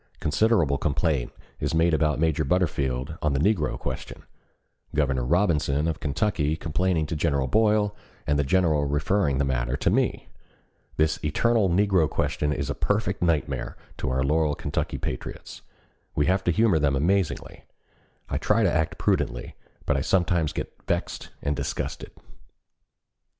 Considerable complaint is made about Major Butterfield on the negro question; Governor Robinson of Kentucky complaining to General Boyle and the general referring the matter to me. This eternal negro question is a perfect nightmare to our loyal Kentucky patriots. We have to humor them amazingly. I try to act prudently, but I sometimes get vexed and disgusted."